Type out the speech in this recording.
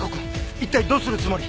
一体どうするつもり？